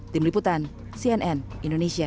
tim liputan cnn indonesia